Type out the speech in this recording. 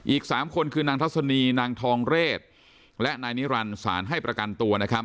อีก๓คนคือนางทัศนีนางทองเรศและนายนิรันดิ์สารให้ประกันตัวนะครับ